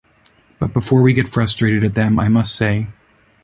But before we get frustrated at them, I must say